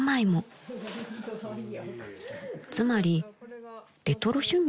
［つまりレトロ趣味？］